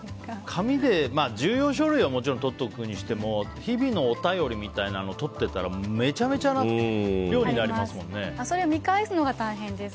紙で、重要書類はもちろんとっておくにしても日々のお便りみたいなのとっておいたらそれを見返すのが大変です。